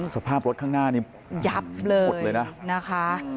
สภาพรถข้างหน้านี่ยับเลยนะคะ